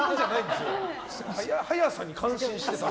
速さに感心してた。